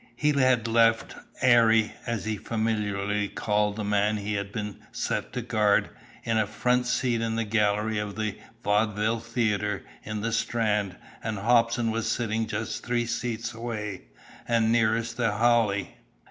He had left "'Arry," as he familiarly called the man he had been set to guard, in a front seat in the gallery of the Vaudeville theatre in the Strand, and Hobson was sitting just three seats away, and nearest the "halley."